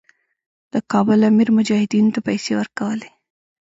د کابل امیر مجاهدینو ته پیسې ورکولې.